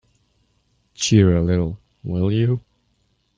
Cheer a little, will you?